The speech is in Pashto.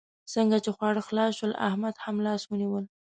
څنګه چې خواړه خلاص شول؛ احمد هم لاس ونيول.